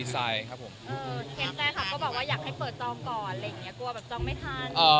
กลัวแบบจรองไม่ทัน